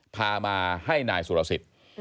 พามาให้นายสุรสิทธิ์